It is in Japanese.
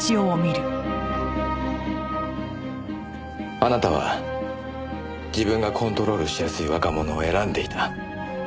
あなたは自分がコントロールしやすい若者を選んでいた。